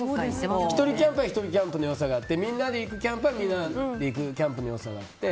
１人キャンプは１人キャンプの良さがあってみんなで行くキャンプはみんなで行くキャンプの良さがあって。